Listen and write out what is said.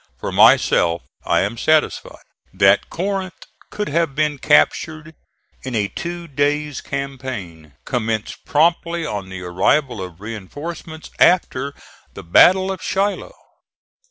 For myself I am satisfied that Corinth could have been captured in a two days' campaign commenced promptly on the arrival of reinforcements after the battle of Shiloh.